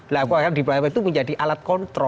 lah kekuatan di balik layar itu menjadi alat kontrol